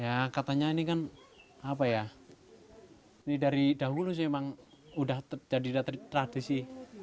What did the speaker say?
ya katanya ini kan apa ya ini dari dahulu sih emang udah jadi tradisi